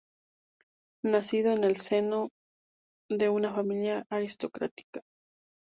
Nacido en el seno de una familia aristocrática.